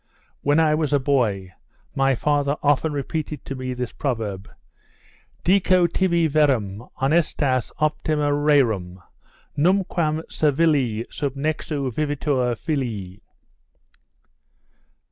When I was a boy, my father often repeated to me this proverb: "Dico tibi verum, honestas, optima rerum, Nunquam servili sub nexu vivitur fili."